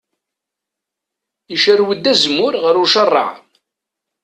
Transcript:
Icerrew-d azemmur ɣer ucerraɛ.